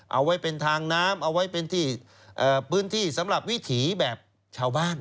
เอาไว้เป็นทางน้ำเอาไว้เป็นที่พื้นที่สำหรับวิถีแบบชาวบ้าน